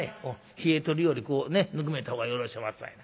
冷えとるよりぬくめた方がよろしおますわいな。